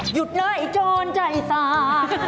หยุดหน้าไอ้จรใจสา